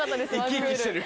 生き生きしてる？